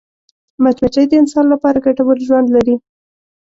مچمچۍ د انسان لپاره ګټور ژوند لري